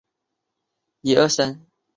这是非常流行。